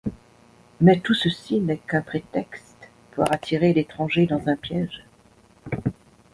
Mais tout ceci n'est qu'un prétexte pour attirer l'Étranger dans un piège.